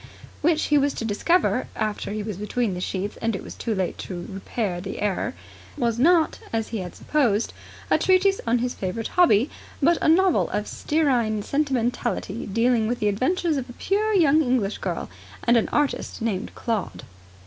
which he was to discover after he was between the sheets, and it was too late to repair the error was not, as he had supposed, a treatise on his favourite hobby, but a novel of stearine sentimentality dealing with the adventures of a pure young English girl and an artist named Claude.